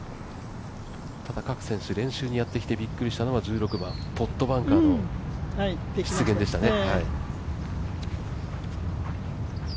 ただ各選手、練習にやってきてびっくりしたのは１６番、ポットバンカーの出現でしたね。